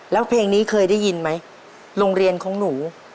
แล้วเพลงนี้เคยได้ยินไหมโรงเรียนของหนู